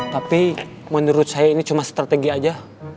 tapi menurut saya ini cuma strategi aja